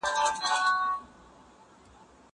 زه پرون نان وخوړل!؟